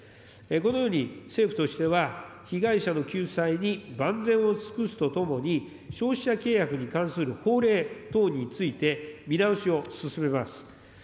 このように、政府としては被害者の救済に万全を尽くすとともに、消費者契約に関する法令等について、見直しを進めます。